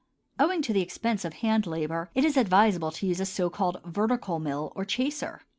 Owing to the expense of hand labor, it is advisable to use a so called vertical mill or chaser.